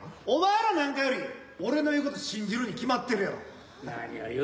お前らなんかより俺の言うこと信じるに決まってるやろ。